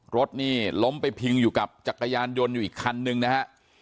รถนี่ล้มไปพิงอยู่กับจักรยานยนต์อยู่อีกคันนึงนะฮะ